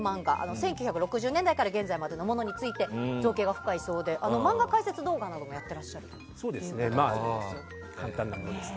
１９６０年代から現在までのものについて造詣が深いそうで漫画解説動画などもやっていらっしゃるそうです。